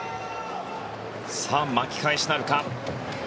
巻き返しなるか。